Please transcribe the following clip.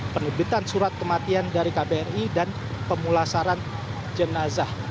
penerbitan surat kematian dari kbri dan pemulasaran jenazah